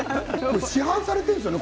市販されているんですよね